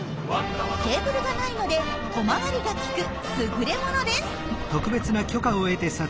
ケーブルがないので小回りが利くすぐれものです！